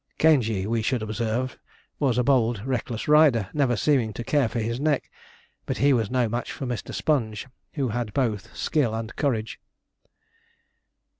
Caingey, we should observe, was a bold, reckless rider, never seeming to care for his neck, but he was no match for Mr. Sponge, who had both skill and courage.